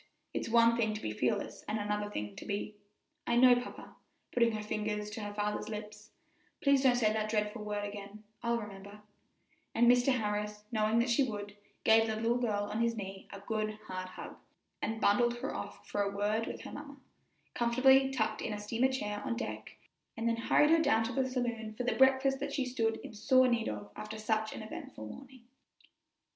It's one thing to be fearless and another thing to be " "I know, papa," putting her finger to her father's lips; "please don't say that dreadful word again; I'll remember;" and Mr. Harris, knowing that she would, gave the little girl on his knee a good, hard hug, and bundled her off for a word with her mamma, comfortably tucked up in a steamer chair on deck, and then hurried her down to the saloon for the breakfast that she stood in sore need of after such an eventful morning.